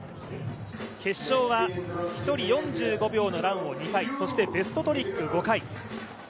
決勝は１人４５秒のランを２回、そして、ベストトリック５回。